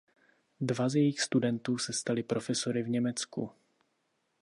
Dva z jejích studentů se stali profesory v Německu.